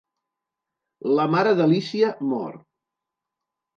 La mare d'Alícia mor.